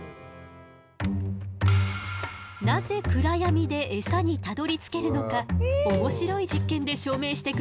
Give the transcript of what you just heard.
なぜ暗闇でエサにたどりつけるのか面白い実験で証明してくれるわ。